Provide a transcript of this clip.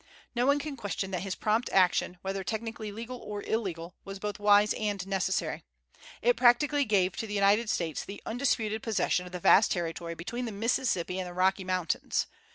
No one can question that his prompt action, whether technically legal or illegal, was both wise and necessary; it practically gave to the United States the undisputed possession of the vast territory between the Mississippi and the Rocky Mountains.